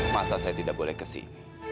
masa saya tidak boleh ke sini